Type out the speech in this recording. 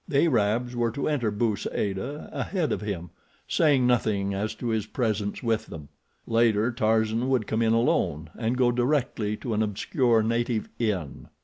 The Arabs were to enter Bou Saada ahead of him, saying nothing as to his presence with them. Later Tarzan would come in alone, and go directly to an obscure native inn.